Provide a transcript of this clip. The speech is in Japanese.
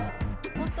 もっと！